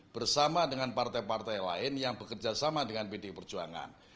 bersama dengan partai partai lain yang bekerja sama dengan pdi perjuangan